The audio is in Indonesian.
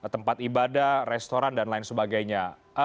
tempat ibadah restoran dan lain sebagainya